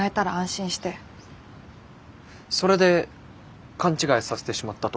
それで勘違いさせてしまったと。